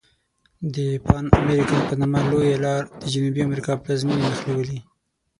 د پان امریکن په نامه لویه لار د جنوبي امریکا پلازمیني نښلولي.